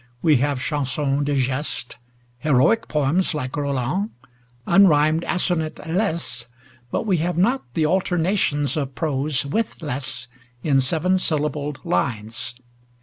We have Chansons de Geste, heroic poems like "Roland," unrhymed assonant laisses, but we have not the alternations of prose with laisses in seven syllabled lines.